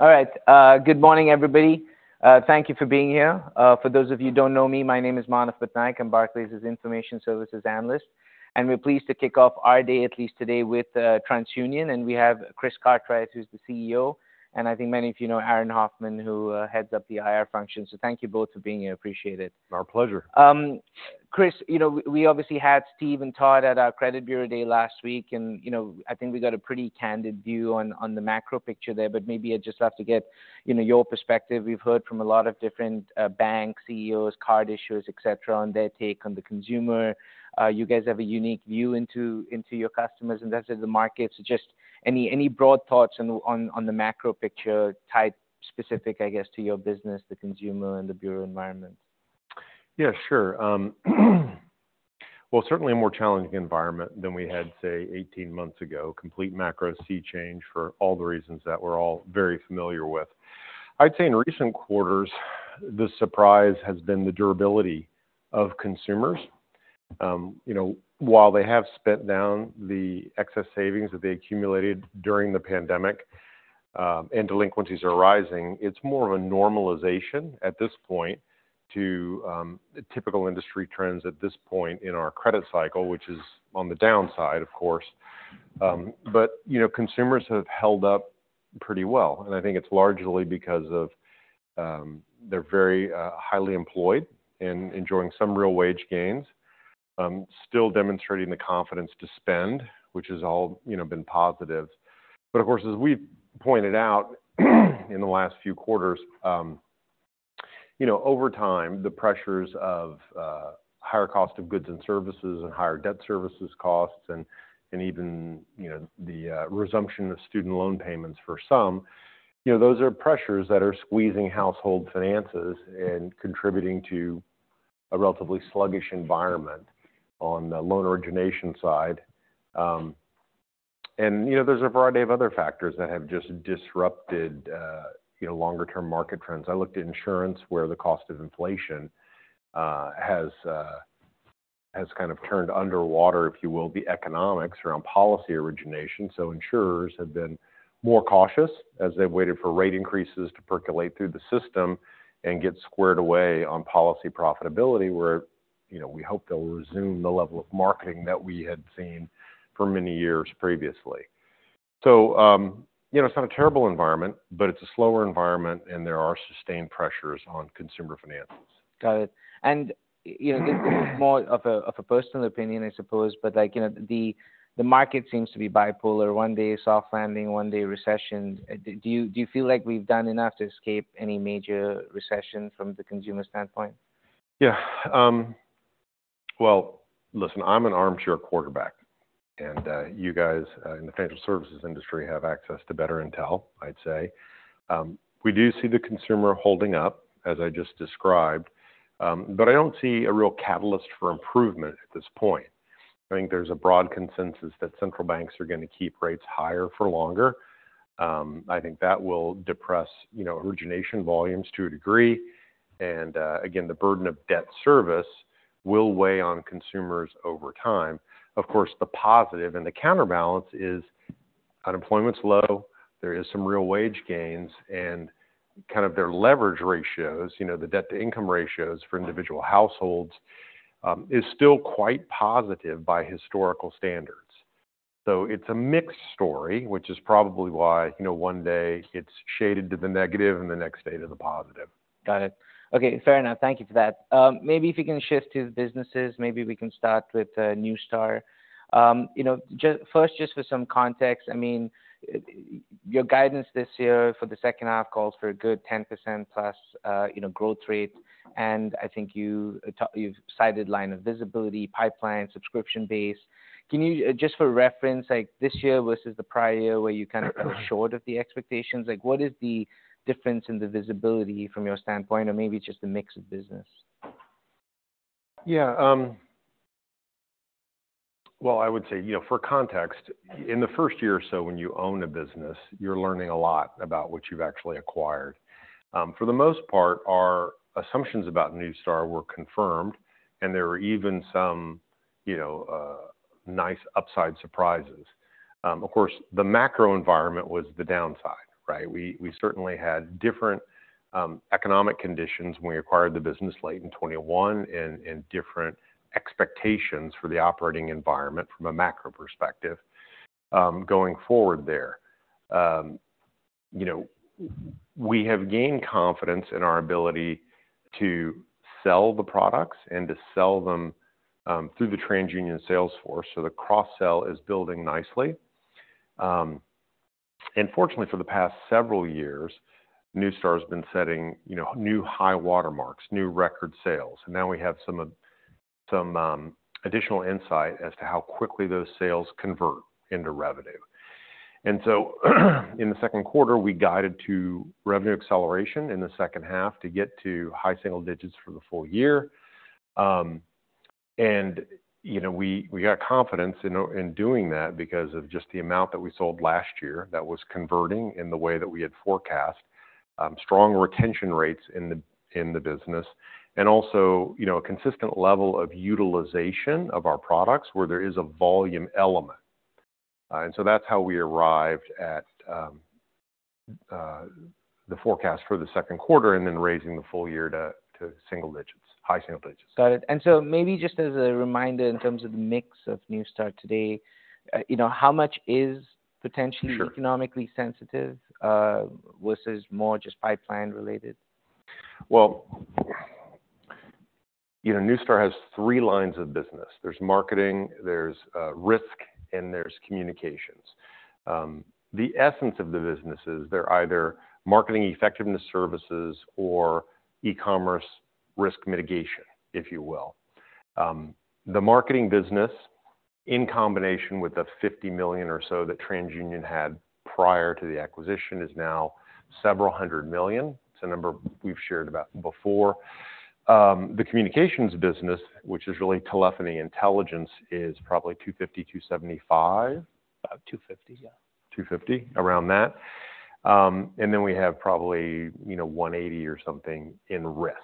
All right. Good morning, everybody. Thank you for being here. For those of you who don't know me, my name is Manav Patnaik. I'm Barclays' Information Services analyst, and we're pleased to kick off our day, at least today, with TransUnion, and we have Chris Cartwright, who's the CEO. And I think many of you know Aaron Hoffman, who heads up the IR function. So thank you both for being here. Appreciate it. Our pleasure. Chris, you know, we obviously had Steve and Todd at our credit bureau day last week, and, you know, I think we got a pretty candid view on the macro picture there, but maybe I'd just love to get, you know, your perspective. We've heard from a lot of different bank CEOs, card issuers, et cetera, on their take on the consumer. You guys have a unique view into your customers, and that's in the market. So just any broad thoughts on the macro picture type, specific, I guess, to your business, the consumer, and the bureau environment? Yeah, sure. Well, certainly a more challenging environment than we had, say, 18 months ago. Complete macro sea change for all the reasons that we're all very familiar with. I'd say in recent quarters, the surprise has been the durability of consumers. You know, while they have spent down the excess savings that they accumulated during the pandemic, and delinquencies are rising, it's more of a normalization at this point to typical industry trends at this point in our credit cycle, which is on the downside, of course. But, you know, consumers have held up pretty well, and I think it's largely because of they're very highly employed and enjoying some real wage gains. Still demonstrating the confidence to spend, which has all, you know, been positive. But of course, as we pointed out, in the last few quarters, you know, over time, the pressures of, higher cost of goods and services and higher debt services costs and, and even, you know, the, resumption of student loan payments for some, you know, those are pressures that are squeezing household finances and contributing to a relatively sluggish environment on the loan origination side. And, you know, there's a variety of other factors that have just disrupted, you know, longer-term market trends. I looked at insurance, where the cost of inflation, has, has kind of turned underwater, if you will, the economics around policy origination. So insurers have been more cautious as they've waited for rate increases to percolate through the system and get squared away on policy profitability, where, you know, we hope they'll resume the level of marketing that we had seen for many years previously. So, you know, it's not a terrible environment, but it's a slower environment, and there are sustained pressures on consumer finances. Got it. And, you know, this is more of a personal opinion, I suppose, but, like, you know, the market seems to be bipolar. One day, soft landing, one day, recession. Do you feel like we've done enough to escape any major recession from the consumer standpoint? Yeah. Well, listen, I'm an armchair quarterback, and you guys in the financial services industry have access to better intel, I'd say. We do see the consumer holding up, as I just described, but I don't see a real catalyst for improvement at this point. I think there's a broad consensus that central banks are going to keep rates higher for longer. I think that will depress, you know, origination volumes to a degree, and again, the burden of debt service will weigh on consumers over time. Of course, the positive and the counterbalance is unemployment's low, there is some real wage gains, and kind of their leverage ratios, you know, the debt-to-income ratios for individual households is still quite positive by historical standards. It's a mixed story, which is probably why, you know, one day it's shaded to the negative and the next day to the positive. Got it. Okay, fair enough. Thank you for that. Maybe if we can shift to the businesses, maybe we can start with Neustar. You know, just first, just for some context, I mean, your guidance this year for the second half calls for a good 10%+, you know, growth rate, and I think you've cited line of visibility, pipeline, subscription base. Can you, just for reference, like, this year versus the prior year, where you kind of fell short of the expectations, like, what is the difference in the visibility from your standpoint, or maybe just the mix of business? Yeah, well, I would say, you know, for context, in the first year or so, when you own a business, you're learning a lot about what you've actually acquired. For the most part, our assumptions about Neustar were confirmed, and there were even some, you know, nice upside surprises. Of course, the macro environment was the downside, right? We certainly had different economic conditions when we acquired the business late in 2021 and different expectations for the operating environment from a macro perspective, going forward there. You know, we have gained confidence in our ability to sell the products and to sell them through the TransUnion sales force, so the cross-sell is building nicely. And fortunately for the past several years, Neustar has been setting, you know, new high watermarks, new record sales, and now we have some of... some, additional insight as to how quickly those sales convert into revenue. And so, in the second quarter, we guided to revenue acceleration in the second half to get to high single digits for the full year. And, you know, we, we got confidence in, in doing that because of just the amount that we sold last year that was converting in the way that we had forecast strong retention rates in the, in the business, and also, you know, a consistent level of utilization of our products where there is a volume element. And so that's how we arrived at the forecast for the second quarter, and then raising the full year to single digits, high single digits. Got it. And so maybe just as a reminder in terms of the mix of Neustar today, you know, how much is potentially- Sure - economically sensitive, versus more just pipeline related? Well, you know, Neustar has three lines of business: there's marketing, there's risk, and there's communications. The essence of the businesses, they're either marketing effectiveness services or e-commerce risk mitigation, if you will. The marketing business, in combination with the $50 million or so that TransUnion had prior to the acquisition, is now several hundred million. It's a number we've shared about before. The communications business, which is really telephony intelligence, is probably $250 million-$275 million. About $250, yeah. $250, around that. And then we have probably, you know, $180 or something in risk.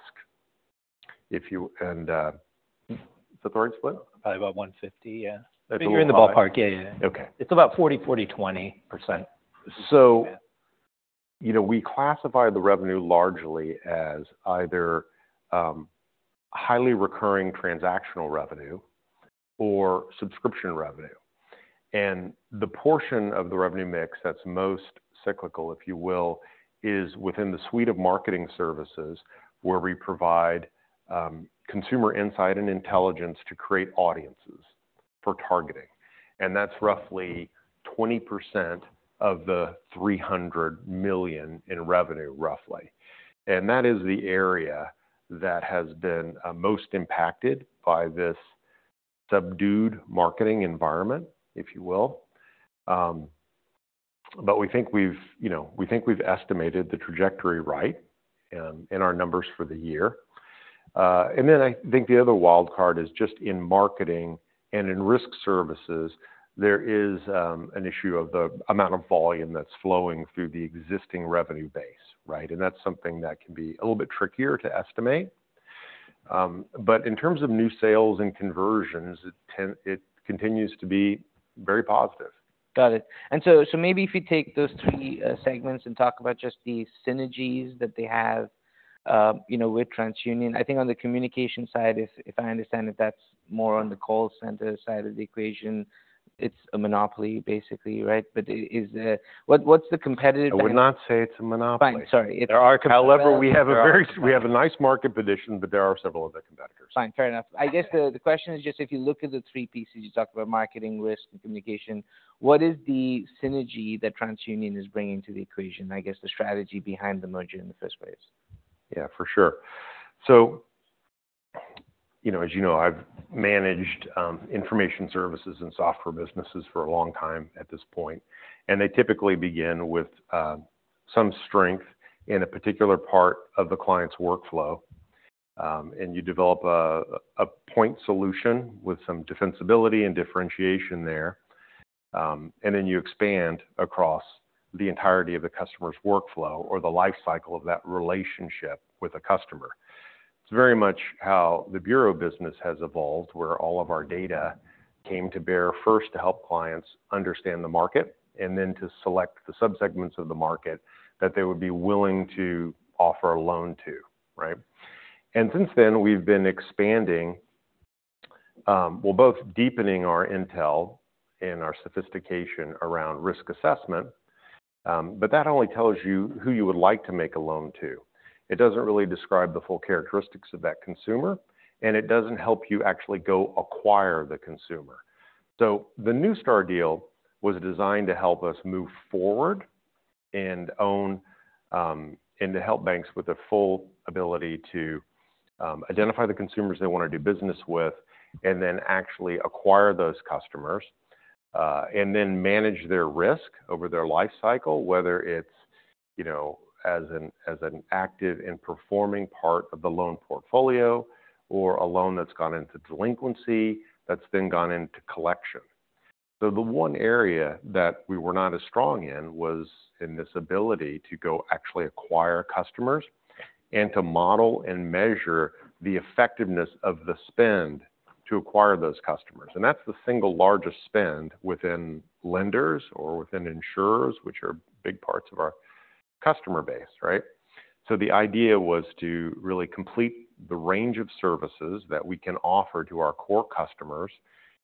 If you, and, is that the right split? Probably about 150, yeah. That's pretty on the- You're in the ballpark. Yeah, yeah. Okay. It's about 40%, 40%, 20%. So, you know, we classify the revenue largely as either, highly recurring transactional revenue or subscription revenue. And the portion of the revenue mix that's most cyclical, if you will, is within the suite of marketing services, where we provide, consumer insight and intelligence to create audiences for targeting. And that's roughly 20% of the $300 million in revenue, roughly. And that is the area that has been, most impacted by this subdued marketing environment, if you will. But we think we've, you know, we think we've estimated the trajectory right, in our numbers for the year. And then I think the other wild card is just in marketing and in risk services, there is, an issue of the amount of volume that's flowing through the existing revenue base, right? That's something that can be a little bit trickier to estimate. But in terms of new sales and conversions, it continues to be very positive. Got it. So maybe if you take those three segments and talk about just the synergies that they have, you know, with TransUnion. I think on the communication side, if I understand it, that's more on the call center side of the equation. It's a monopoly, basically, right? But is, what, what's the competitive- I would not say it's a monopoly. Fine. Sorry. However, we have a nice market position, but there are several other competitors. Fine, fair enough. I guess the question is just if you look at the three pieces, you talked about marketing, risk, and communication, what is the synergy that TransUnion is bringing to the equation? I guess, the strategy behind the merger in the first place. Yeah, for sure. So, you know, as you know, I've managed information services and software businesses for a long time at this point, and they typically begin with some strength in a particular part of the client's workflow. And you develop a point solution with some defensibility and differentiation there, and then you expand across the entirety of the customer's workflow or the life cycle of that relationship with the customer. It's very much how the bureau business has evolved, where all of our data came to bear first to help clients understand the market, and then to select the subsegments of the market that they would be willing to offer a loan to, right? And since then, we've been expanding. Well, both deepening our intel and our sophistication around risk assessment, but that only tells you who you would like to make a loan to. It doesn't really describe the full characteristics of that consumer, and it doesn't help you actually go acquire the consumer. So the Neustar deal was designed to help us move forward and own and to help banks with the full ability to identify the consumers they want to do business with, and then actually acquire those customers, and then manage their risk over their life cycle, whether it's, you know, as an active and performing part of the loan portfolio, or a loan that's gone into delinquency, that's then gone into collection. The one area that we were not as strong in was in this ability to go actually acquire customers and to model and measure the effectiveness of the spend to acquire those customers. That's the single largest spend within lenders or within insurers, which are big parts of our customer base, right? The idea was to really complete the range of services that we can offer to our core customers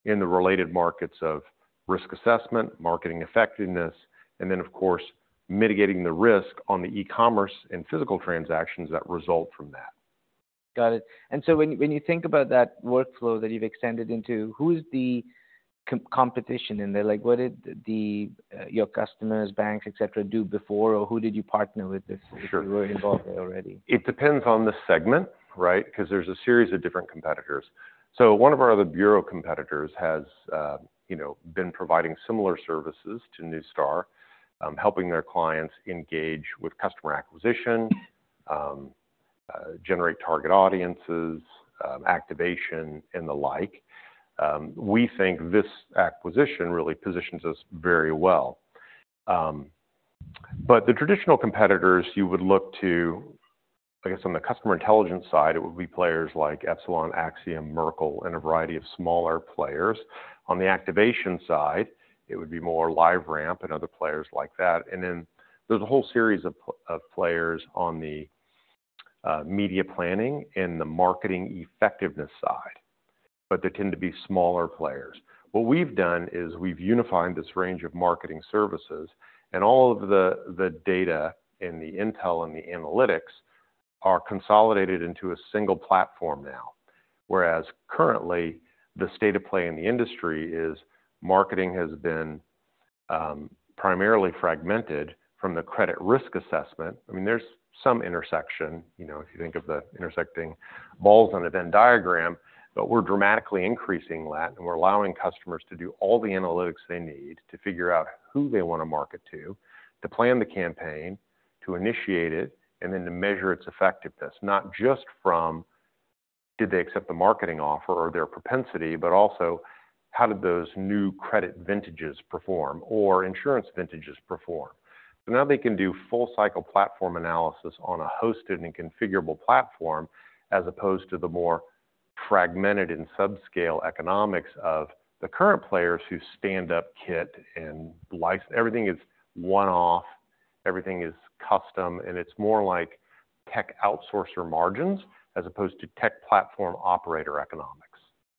in the related markets of risk assessment, marketing effectiveness, and then, of course, mitigating the risk on the e-commerce and physical transactions that result from that. Got it. And so when, when you think about that workflow that you've extended into, who's the competition in there? Like, what did the your customers, banks, et cetera, do before, or who did you partner with, if you were involved already? It depends on the segment, right? Because there's a series of different competitors. So one of our other bureau competitors has, you know, been providing similar services to Neustar, helping their clients engage with customer acquisition, generate target audiences, activation, and the like. We think this acquisition really positions us very well. But the traditional competitors you would look to, I guess, on the customer intelligence side, it would be players like Epsilon, Acxiom, Merkle, and a variety of smaller players. On the activation side, it would be more LiveRamp and other players like that. And then there's a whole series of players on the media planning and the marketing effectiveness side, but they tend to be smaller players. What we've done is we've unified this range of marketing services and all of the, the data and the intel and the analytics are consolidated into a single platform now. Whereas currently, the state of play in the industry is marketing has been primarily fragmented from the credit risk assessment. I mean, there's some intersection, you know, if you think of the intersecting balls on a Venn diagram, but we're dramatically increasing that, and we're allowing customers to do all the analytics they need to figure out who they want to market to, to plan the campaign, to initiate it, and then to measure its effectiveness. Not just from, did they accept the marketing offer or their propensity, but also how did those new credit vintages perform, or insurance vintages perform? So now they can do full cycle platform analysis on a hosted and configurable platform, as opposed to the more fragmented and subscale economics of the current players who stand up kit and license. Everything is one-off, everything is custom, and it's more like tech outsourcer margins as opposed to tech platform operator economics.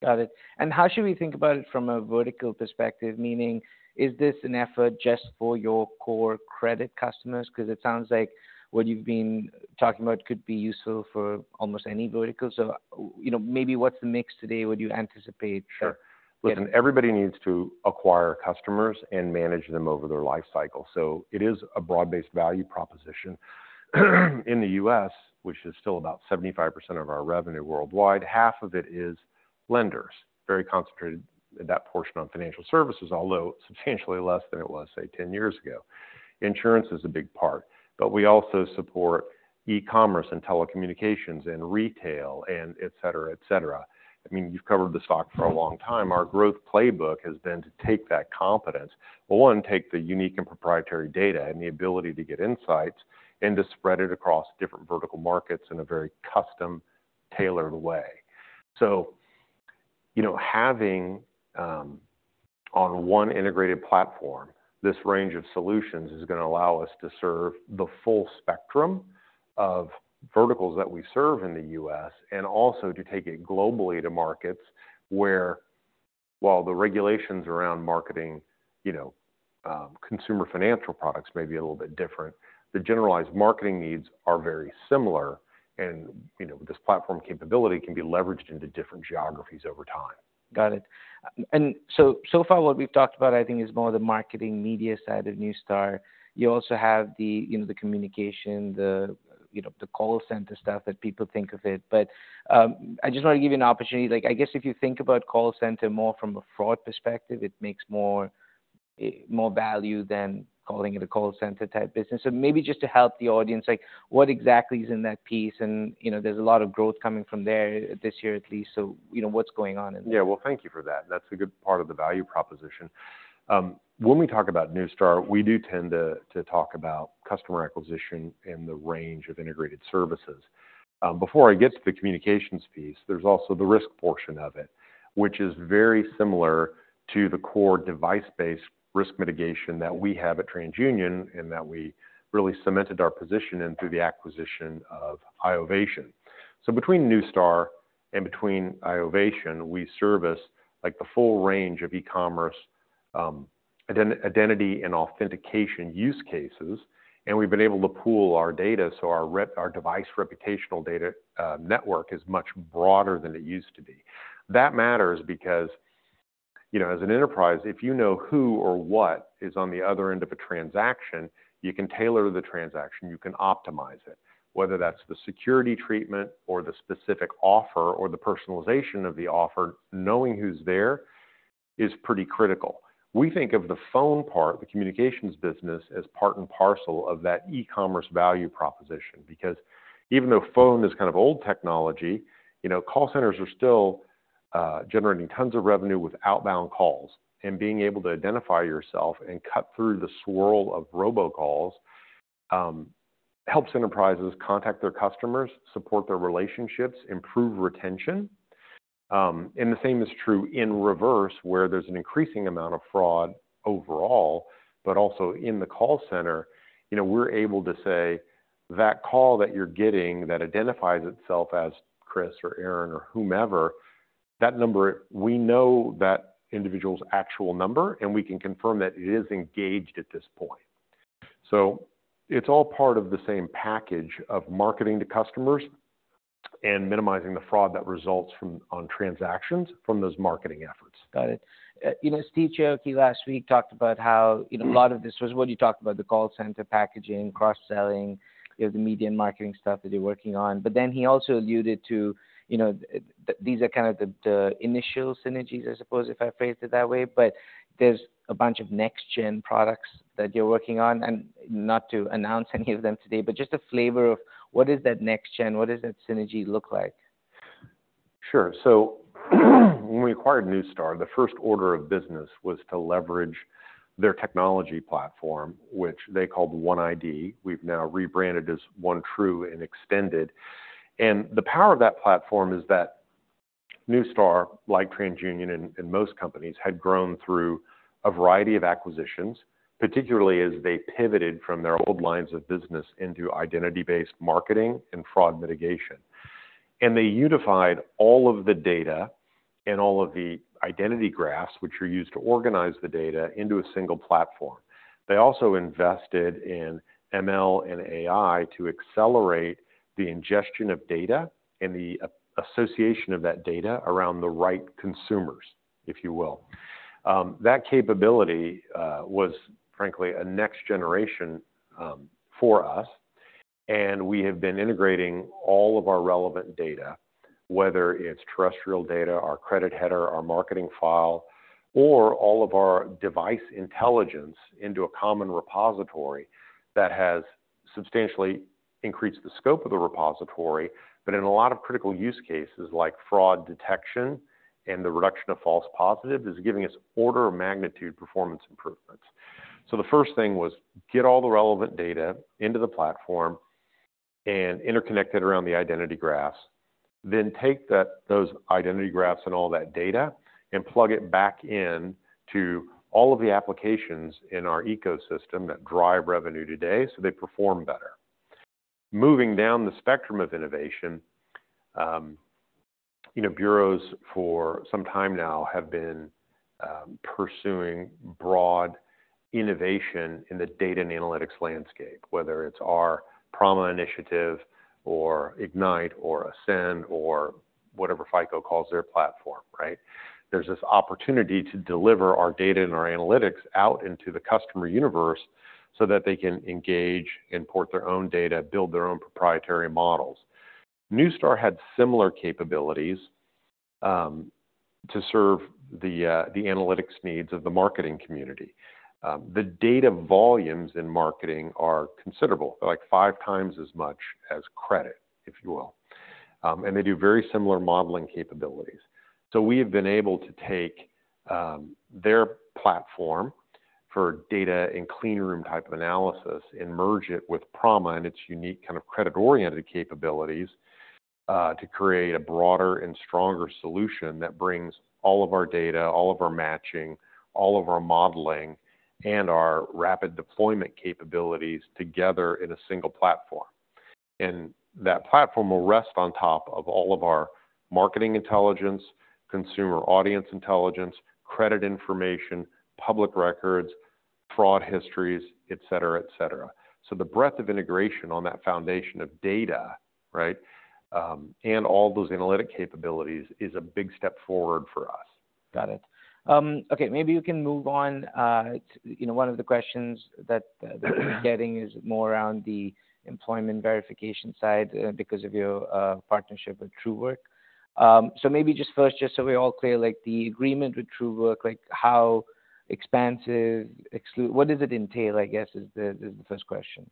Got it. And how should we think about it from a vertical perspective? Meaning, is this an effort just for your core credit customers? Because it sounds like what you've been talking about could be useful for almost any vertical. So, you know, maybe what's the mix today, would you anticipate? Sure. Listen, everybody needs to acquire customers and manage them over their life cycle, so it is a broad-based value proposition. In the US, which is still about 75% of our revenue worldwide, half of it is lenders. Very concentrated in that portion on financial services, although substantially less than it was, say, 10 years ago. Insurance is a big part, but we also support e-commerce and telecommunications and retail and et cetera, et cetera. I mean, you've covered the stock for a long time. Our growth playbook has been to take that confidence. Well, one, take the unique and proprietary data and the ability to get insights, and to spread it across different vertical markets in a very custom-tailored way. So, you know, having on one integrated platform, this range of solutions is gonna allow us to serve the full spectrum of verticals that we serve in the US, and also to take it globally to markets where, while the regulations around marketing, you know, consumer financial products may be a little bit different, the generalized marketing needs are very similar and, you know, this platform capability can be leveraged into different geographies over time. Got it. And so, so far what we've talked about, I think, is more the marketing media side of Neustar. You also have the, you know, the communication, the, you know, the call center stuff that people think of it. But, I just want to give you an opportunity like, I guess if you think about call center more from a fraud perspective, it makes more value than calling it a call center type business. So maybe just to help the audience, like, what exactly is in that piece? And, you know, there's a lot of growth coming from there this year at least. So, you know, what's going on in there? Yeah. Well, thank you for that. That's a good part of the value proposition. When we talk about Neustar, we do tend to talk about customer acquisition and the range of integrated services. Before I get to the communications piece, there's also the risk portion of it, which is very similar to the core device-based risk mitigation that we have at TransUnion, and that we really cemented our position in through the acquisition of Iovation. So between Neustar and Iovation, we service like the full range of e-commerce, identity and authentication use cases, and we've been able to pool our data, so our device reputational data network is much broader than it used to be. That matters because, you know, as an enterprise, if you know who or what is on the other end of a transaction, you can tailor the transaction, you can optimize it. Whether that's the security treatment or the specific offer or the personalization of the offer, knowing who's there is pretty critical. We think of the phone part, the communications business, as part and parcel of that e-commerce value proposition, because even though phone is kind of old technology, you know, call centers are still generating tons of revenue with outbound calls. And being able to identify yourself and cut through the swirl of robocalls helps enterprises contact their customers, support their relationships, improve retention. And the same is true in reverse, where there's an increasing amount of fraud overall, but also in the call center. You know, we're able to say that call that you're getting that identifies itself as Chris or Aaron or whomever, that number, we know that individual's actual number, and we can confirm that it is engaged at this point. So it's all part of the same package of marketing to customers and minimizing the fraud that results from on transactions from those marketing efforts. Got it. You know, Steve Chaouki last week talked about how, you know, a lot of this was what you talked about, the call center packaging, cross-selling, you know, the media and marketing stuff that you're working on. But then he also alluded to, you know, these are kind of the initial synergies, I suppose, if I phrased it that way, but there's a bunch of next-gen products that you're working on, and not to announce any of them today, but just a flavor of what is that next gen, what does that synergy look like? Sure. So when we acquired Neustar, the first order of business was to leverage their technology platform, which they called OneID. We've now rebranded as OneTru and extended. And the power of that platform is that Neustar, like TransUnion and most companies, had grown through a variety of acquisitions, particularly as they pivoted from their old lines of business into identity-based marketing and fraud mitigation. And they unified all of the data and all of the identity graphs, which are used to organize the data, into a single platform. They also invested in ML and AI to accelerate the ingestion of data and the association of that data around the right consumers, if you will. That capability was frankly a next generation for us, and we have been integrating all of our relevant data, whether it's terrestrial data, our credit header, our marketing file, or all of our device intelligence, into a common repository that has substantially increased the scope of the repository. But in a lot of critical use cases, like fraud detection and the reduction of false positives, is giving us order of magnitude performance improvements. So the first thing was get all the relevant data into the platform and interconnect it around the identity graphs. Then take those identity graphs and all that data and plug it back in to all of the applications in our ecosystem that drive revenue today, so they perform better. Moving down the spectrum of innovation, you know, bureaus for some time now have been pursuing broad innovation in the data and analytics landscape, whether it's our Prama initiative or Ignite or Ascend or whatever FICO calls their platform, right? There's this opportunity to deliver our data and our analytics out into the customer universe so that they can engage, import their own data, build their own proprietary models. Neustar had similar capabilities to serve the analytics needs of the marketing community. The data volumes in marketing are considerable, like five times as much as credit, if you will. And they do very similar modeling capabilities. We have been able to take their platform for data and clean room type of analysis and merge it with Prama and its unique kind of credit-oriented capabilities to create a broader and stronger solution that brings all of our data, all of our matching, all of our modeling, and our rapid deployment capabilities together in a single platform. That platform will rest on top of all of our marketing intelligence, consumer audience intelligence, credit information, public records, fraud histories, et cetera, et cetera. The breadth of integration on that foundation of data, right, and all those analytic capabilities is a big step forward for us. Got it. Okay, maybe you can move on. You know, one of the questions that we're getting is more around the employment verification side, because of your partnership with Truework. So maybe just first, just so we're all clear, like, the agreement with Truework, like, how expansive, what does it entail, I guess, is the, is the first question.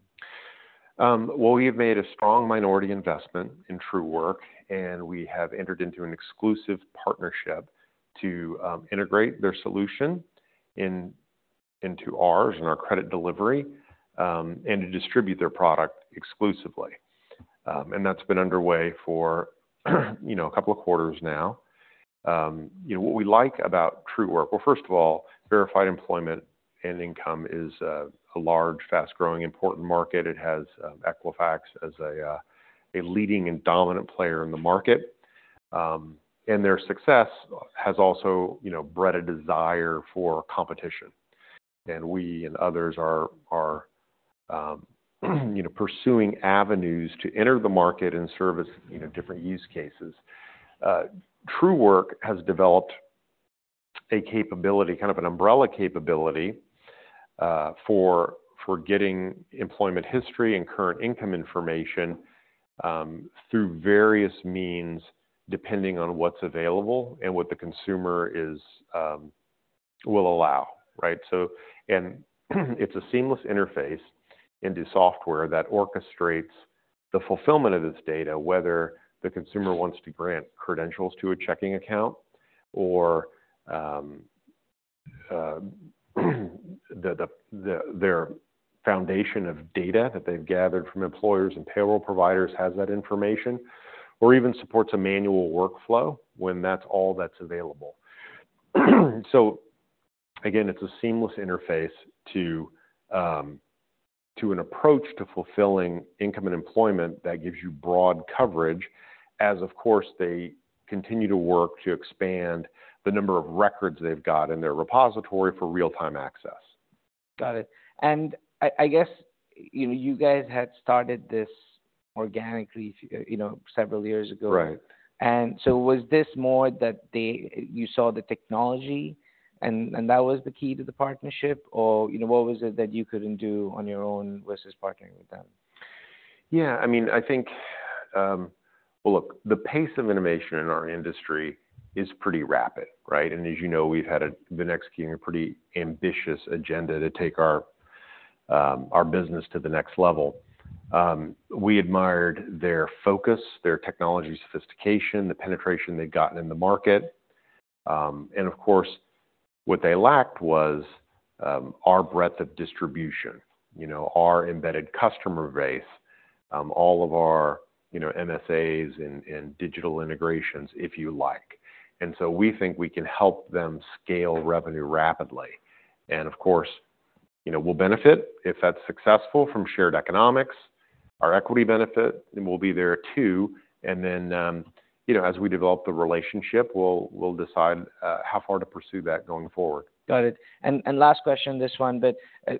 Well, we have made a strong minority investment in Truework, and we have entered into an exclusive partnership to integrate their solution into ours and our credit delivery, and to distribute their product exclusively. And that's been underway for, you know, a couple of quarters now. You know, what we like about Truework... Well, first of all, verified employment and income is a large, fast-growing, important market. It has Equifax as a leading and dominant player in the market. And their success has also, you know, bred a desire for competition. And we and others are pursuing avenues to enter the market and service, you know, different use cases. Truework has developed a capability, kind of an umbrella capability, for getting employment history and current income information, through various means, depending on what's available and what the consumer is, will allow, right? It's a seamless interface into software that orchestrates the fulfillment of this data, whether the consumer wants to grant credentials to a checking account or, their foundation of data that they've gathered from employers and payroll providers has that information, or even supports a manual workflow when that's all that's available. So again, it's a seamless interface to an approach to fulfilling income and employment that gives you broad coverage as, of course, they continue to work to expand the number of records they've got in their repository for real-time access. Got it. I guess, you know, you guys had started this organically, you know, several years ago. Right. And so was this more that you saw the technology and that was the key to the partnership? Or, you know, what was it that you couldn't do on your own versus partnering with them? Yeah, I mean, I think, well, look, the pace of innovation in our industry is pretty rapid, right? And as you know, we've been executing a pretty ambitious agenda to take our business to the next level. We admired their focus, their technology sophistication, the penetration they'd gotten in the market. And of course, what they lacked was our breadth of distribution, you know, our embedded customer base, all of our, you know, MSAs and digital integrations, if you like. And so we think we can help them scale revenue rapidly. And of course, you know, we'll benefit if that's successful from shared economics. Our equity benefit, and we'll be there, too, and then, you know, as we develop the relationship, we'll decide how far to pursue that going forward. Got it. And last question, this one, but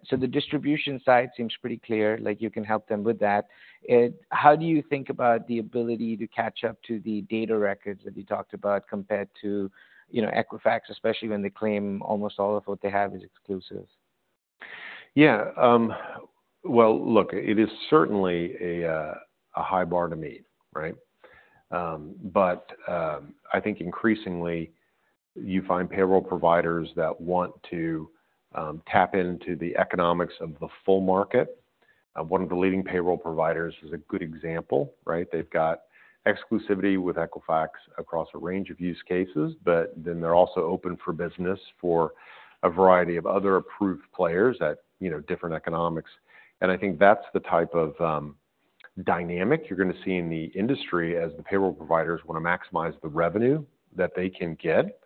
so the distribution side seems pretty clear, like you can help them with that. It - how do you think about the ability to catch up to the data records that you talked about compared to, you know, Equifax, especially when they claim almost all of what they have is exclusive? Yeah, well, look, it is certainly a high bar to meet, right? But I think increasingly you find payroll providers that want to tap into the economics of the full market. One of the leading payroll providers is a good example, right? They've got exclusivity with Equifax across a range of use cases, but then they're also open for business for a variety of other approved players at, you know, different economics. And I think that's the type of dynamic you're going to see in the industry as the payroll providers want to maximize the revenue that they can get.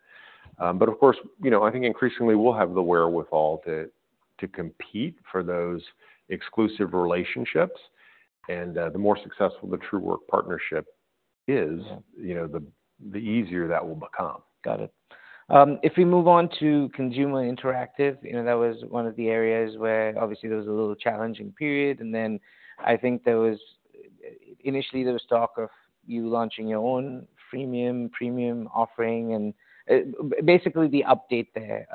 But of course, you know, I think increasingly we'll have the wherewithal to compete for those exclusive relationships. And the more successful the Truework partnership is- Yeah you know, the easier that will become. Got it. If we move on to Consumer Interactive, you know, that was one of the areas where obviously there was a little challenging period, and then I think there was... Initially, there was talk of you launching your own freemium, premium offering and basically the update there.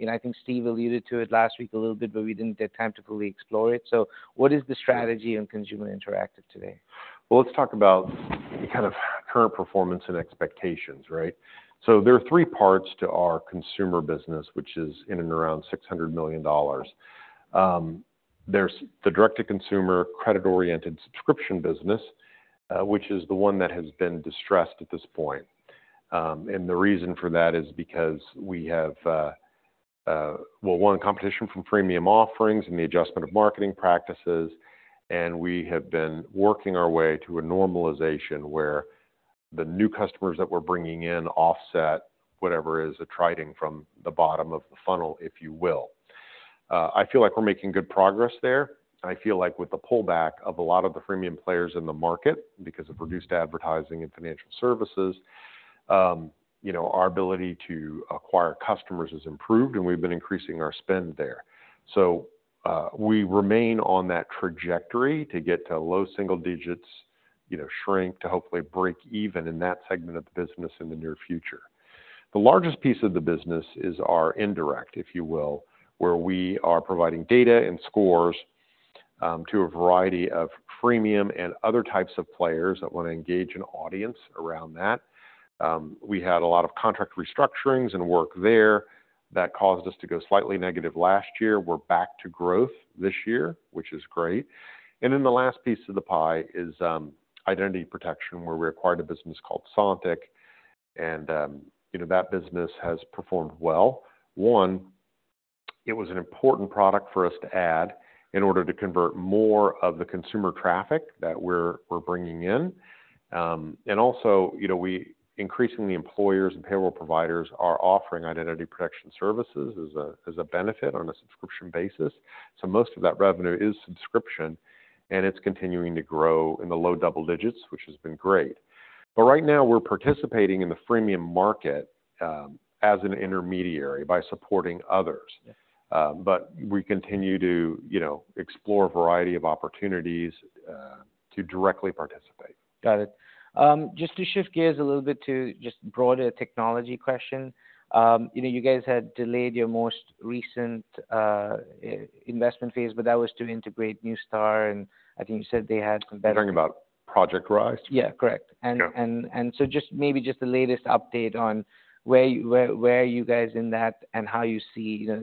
And I think Steve alluded to it last week a little bit, but we didn't get time to fully explore it. So what is the strategy on Consumer Interactive today? Well, let's talk about the kind of current performance and expectations, right? So there are three parts to our consumer business, which is in and around $600 million. There's the direct-to-consumer, credit-oriented subscription business, which is the one that has been distressed at this point. And the reason for that is because we have, well, one, competition from freemium offerings and the adjustment of marketing practices, and we have been working our way to a normalization where the new customers that we're bringing in offset whatever is attriting from the bottom of the funnel, if you will. I feel like we're making good progress there. I feel like with the pullback of a lot of the freemium players in the market, because of reduced advertising and financial services, you know, our ability to acquire customers has improved, and we've been increasing our spend there. So, we remain on that trajectory to get to low single digits, you know, shrink to hopefully break even in that segment of the business in the near future. The largest piece of the business is our indirect, if you will, where we are providing data and scores to a variety of freemium and other types of players that want to engage an audience around that. We had a lot of contract restructurings and work there that caused us to go slightly negative last year. We're back to growth this year, which is great. And then the last piece of the pie is identity protection, where we acquired a business called Sontiq, and you know, that business has performed well. One, it was an important product for us to add in order to convert more of the consumer traffic that we're bringing in. And also, you know, increasingly employers and payroll providers are offering identity protection services as a benefit on a subscription basis. So most of that revenue is subscription, and it's continuing to grow in the low double digits, which has been great. But right now we're participating in the freemium market as an intermediary by supporting others. Yeah. We continue to, you know, explore a variety of opportunities to directly participate. Got it. Just to shift gears a little bit to just broader technology question. You know, you guys had delayed your most recent investment phase, but that was to integrate Neustar, and I think you said they had some better- You're talking about Project Rise? Yeah, correct. Yeah. So, just maybe the latest update on where you are, where are you guys in that and how you see, you know,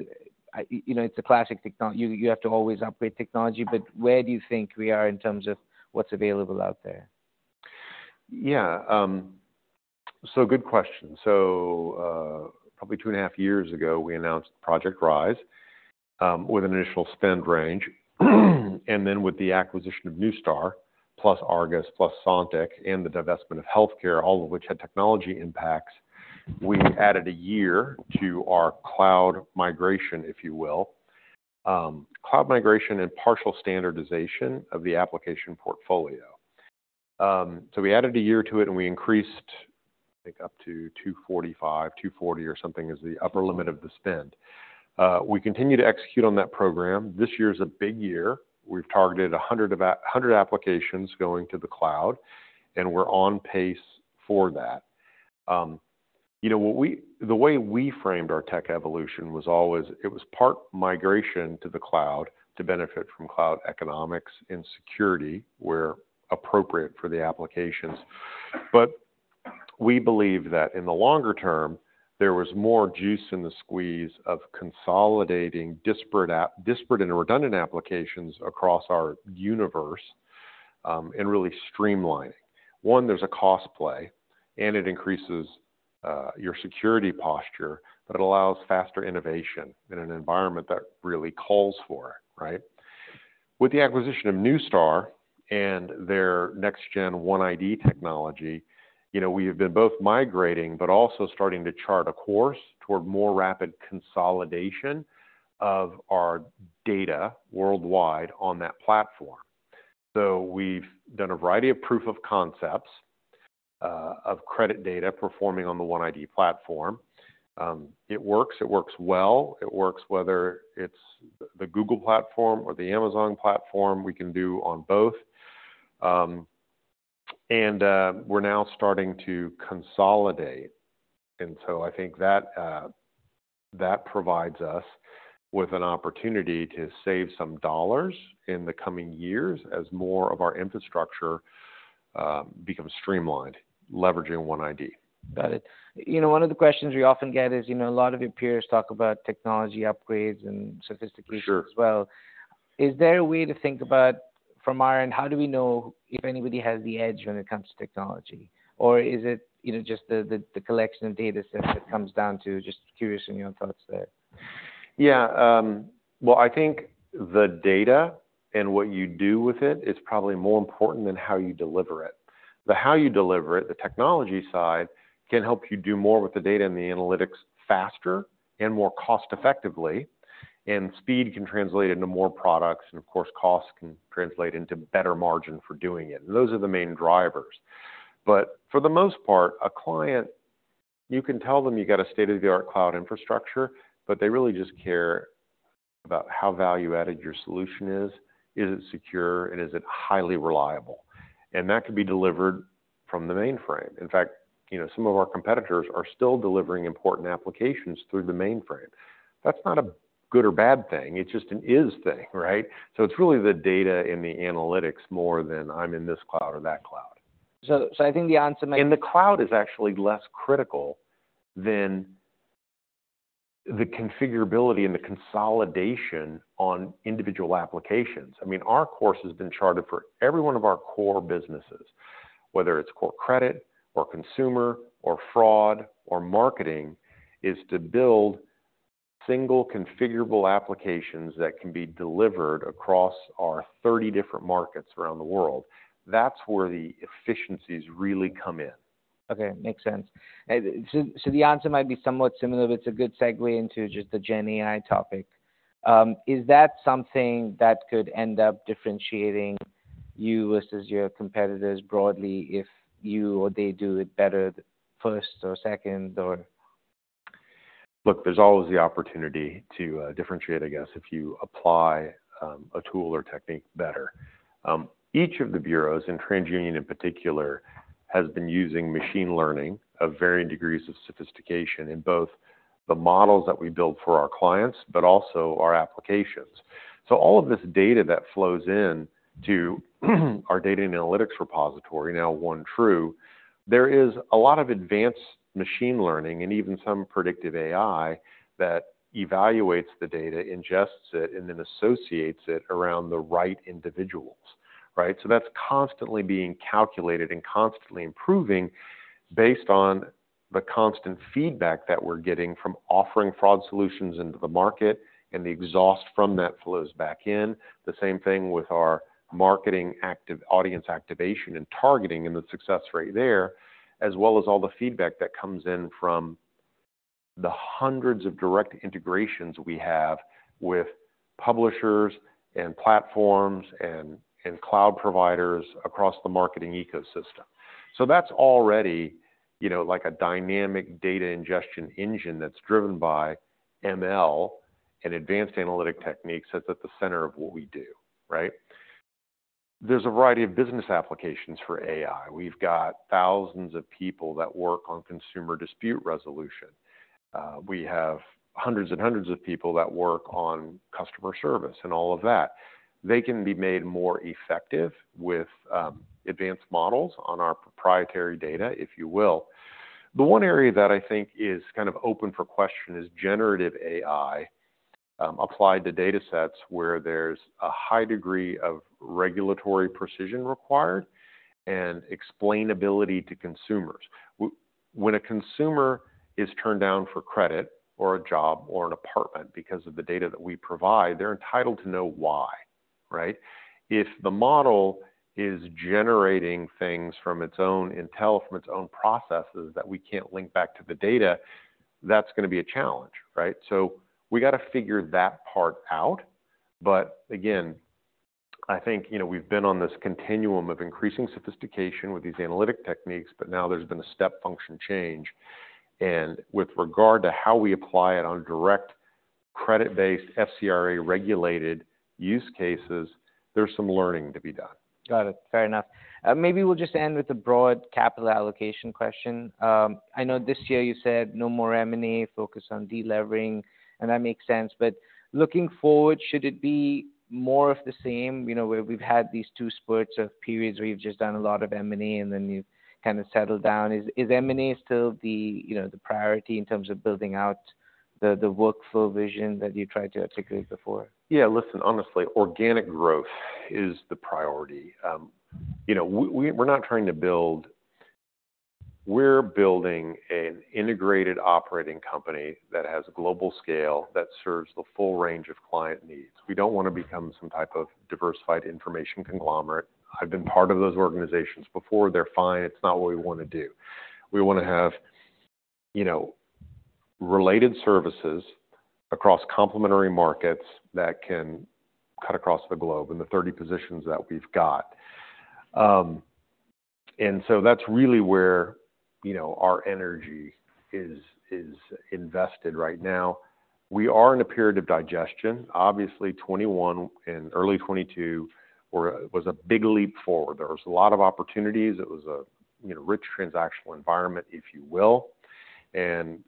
you know, it's a classic. You have to always upgrade technology, but where do you think we are in terms of what's available out there? Yeah, so good question. So, probably 2.5 years ago, we announced Project Rise, with an initial spend range. And then with the acquisition of Neustar, plus Argus, plus Sontiq and the divestment of healthcare, all of which had technology impacts, we added a year to our cloud migration, if you will. Cloud migration and partial standardization of the application portfolio. So we added a year to it, and we increased, I think, up to $245, $240 or something is the upper limit of the spend. We continue to execute on that program. This year is a big year. We've targeted about 100 applications going to the cloud, and we're on pace for that. You know, what we, the way we framed our tech evolution was always it was part migration to the cloud to benefit from cloud economics and security, where appropriate for the applications. But we believe that in the longer term, there was more juice in the squeeze of consolidating disparate and redundant applications across our universe, and really streamlining. One, there's a cost play, and it increases your security posture, but allows faster innovation in an environment that really calls for it, right? With the acquisition of Neustar and their next gen OneID technology, you know, we have been both migrating but also starting to chart a course toward more rapid consolidation of our data worldwide on that platform. So we've done a variety of proof of concepts of credit data performing on the OneID platform. It works, it works well. It works whether it's the Google platform or the Amazon platform, we can do on both. We're now starting to consolidate, and so I think that that provides us with an opportunity to save some dollars in the coming years as more of our infrastructure becomes streamlined, leveraging OneID. Got it. You know, one of the questions we often get is, you know, a lot of your peers talk about technology upgrades and sophistications as well. Is there a way to think about, from our end, how do we know if anybody has the edge when it comes to technology? Or is it, you know, just the collection of data sets it comes down to? Just curious on your thoughts there. Yeah, well, I think the data and what you do with it is probably more important than how you deliver it. The how you deliver it, the technology side, can help you do more with the data and the analytics faster and more cost effectively, and speed can translate into more products, and of course, cost can translate into better margin for doing it. Those are the main drivers. But for the most part, a client, you can tell them you got a state-of-the-art cloud infrastructure, but they really just care about how value-added your solution is. Is it secure, and is it highly reliable? And that could be delivered from the mainframe. In fact, you know, some of our competitors are still delivering important applications through the mainframe. That's not a good or bad thing, it's just an is thing, right? So it's really the data and the analytics more than I'm in this cloud or that cloud. So, I think the answer might- The cloud is actually less critical than the configurability and the consolidation on individual applications. I mean, our course has been charted for every one of our core businesses, whether it's core credit or consumer or fraud or marketing, is to build single configurable applications that can be delivered across our 30 different markets around the world. That's where the efficiencies really come in. Okay, makes sense. And so, so the answer might be somewhat similar, but it's a good segue into just the Gen AI topic. Is that something that could end up differentiating you versus your competitors broadly, if you or they do it better first or second, or? Look, there's always the opportunity to differentiate, I guess, if you apply a tool or technique better. Each of the bureaus, and TransUnion in particular, has been using machine learning of varying degrees of sophistication in both the models that we build for our clients, but also our applications. So all of this data that flows in to our data and analytics repository, now OneTru, there is a lot of advanced machine learning and even some predictive AI that evaluates the data, ingests it, and then associates it around the right individuals, right? So that's constantly being calculated and constantly improving based on the constant feedback that we're getting from offering fraud solutions into the market, and the exhaust from that flows back in. The same thing with our marketing activation, audience activation and targeting and the success rate there, as well as all the feedback that comes in from the hundreds of direct integrations we have with publishers and platforms and cloud providers across the marketing ecosystem. So that's already, you know, like a dynamic data ingestion engine that's driven by ML and advanced analytic techniques that's at the center of what we do, right? There's a variety of business applications for AI. We've got thousands of people that work on consumer dispute resolution. We have hundreds and hundreds of people that work on customer service and all of that. They can be made more effective with advanced models on our proprietary data, if you will. The one area that I think is kind of open for question is generative AI, applied to data sets where there's a high degree of regulatory precision required and explainability to consumers. When a consumer is turned down for credit, or a job, or an apartment because of the data that we provide, they're entitled to know why, right? If the model is generating things from its own intel, from its own processes that we can't link back to the data, that's gonna be a challenge, right? So we got to figure that part out. But again, I think, you know, we've been on this continuum of increasing sophistication with these analytic techniques, but now there's been a step function change. And with regard to how we apply it on direct credit-based, FCRA-regulated use cases, there's some learning to be done. Got it. Fair enough. Maybe we'll just end with a broad capital allocation question. I know this year you said no more M&A, focus on delevering, and that makes sense. But looking forward, should it be more of the same? You know, where we've had these two spurts of periods where you've just done a lot of M&A, and then you've kind of settled down. Is M&A still the, you know, the priority in terms of building out the, the workflow vision that you tried to articulate before? Yeah, listen, honestly, organic growth is the priority. You know, we're not trying to build, we're building an integrated operating company that has global scale, that serves the full range of client needs. We don't want to become some type of diversified information conglomerate. I've been part of those organizations before, they're fine. It's not what we want to do. We want to have, you know, related services across complementary markets that can cut across the globe in the 30 positions that we've got. And so that's really where, you know, our energy is invested right now. We are in a period of digestion. Obviously, 2021 and early 2022 was a big leap forward. There was a lot of opportunities. It was a, you know, rich transactional environment, if you will. And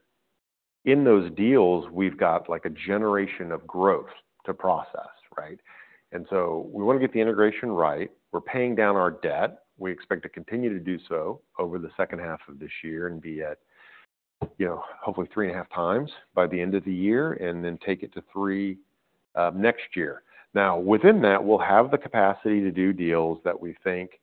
in those deals, we've got, like, a generation of growth to process, right? So we want to get the integration right. We're paying down our debt. We expect to continue to do so over the second half of this year and be at, you know, hopefully 3.5x by the end of the year, and then take it to 3x next year. Now, within that, we'll have the capacity to do deals that we think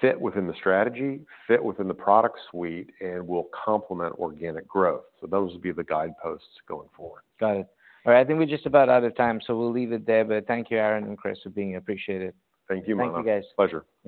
fit within the strategy, fit within the product suite, and will complement organic growth. So those will be the guideposts going forward. Got it. All right, I think we're just about out of time, so we'll leave it there. But thank you, Aaron and Chris, for being here. Appreciate it. Thank you, Manav. Thank you, guys. Pleasure.